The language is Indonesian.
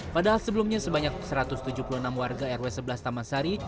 padahal sebelumnya sebanyak satu ratus tujuh puluh enam warga rw sebelas taman sari